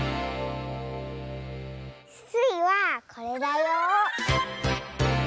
スイはこれだよ。